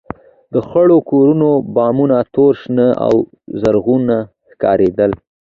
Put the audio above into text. د خړو کورونو بامونه تور، شنه او زرغونه ښکارېدل.